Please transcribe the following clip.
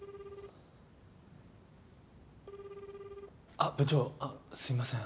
あっ部長あっすいません